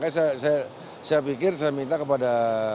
saya pikir saya minta kepada